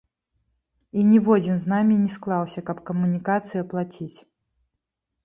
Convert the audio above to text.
І ніводзін з намі не склаўся, каб камунікацыі аплаціць.